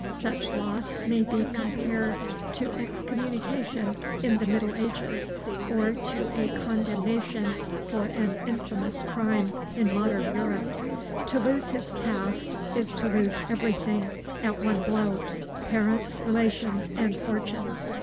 Such loss may be compared to excommunication in the middle ages, or to a condemnation for an infamous crime in modern Europe. To lose his caste is to lose everything at one blow, parents, relations, and fortune.